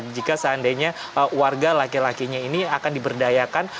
jika seandainya warga laki lakinya ini akan diberdayakan